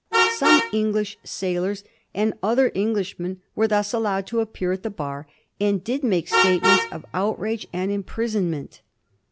Some English sailors and other Englishmen were thus allowed to appear at the bar, and did make statements of outrage and imprison ment.